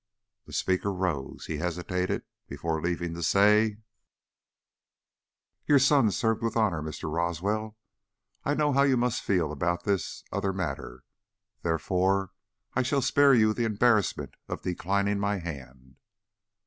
The speaker rose. He hesitated, before leaving, to say: "Your son served with honor, Mr. Roswell. I know how you must feel about this other matter, therefore I shall spare you the embarrassment of declining my hand."